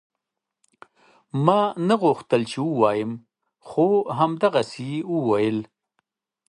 ما نه غوښتل چې ووايم خو همدغسې يې وويل.